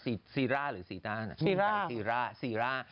ซีซีราหรือซีดราซีราใจซีราซีรา